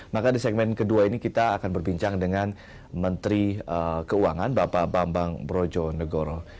maka di segmen kedua ini kita akan berbincang dengan menteri keuangan bapak bambang brojo negoro